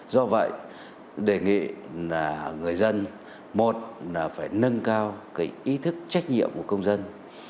do vậy đề nghị là người dân một là phải nâng cao cái ý thức trách nhiệm của công dân